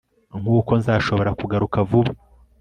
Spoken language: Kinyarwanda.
Nkuko nzashobora kugaruka vuba